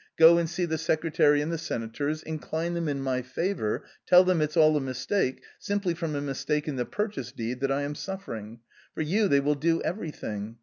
Go and see the secretary and the senators ; incline them in my favour, tell, them it's all a mistake, simply from a mistake in the purchase deed that I am suffering ; for you they will do everything.